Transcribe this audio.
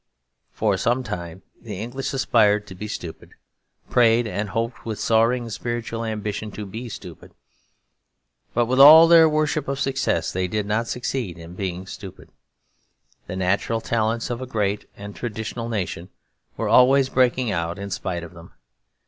For some time the English aspired to be stupid, prayed and hoped with soaring spiritual ambition to be stupid. But with all their worship of success, they did not succeed in being stupid. The natural talents of a great and traditional nation were always breaking out in spite of them.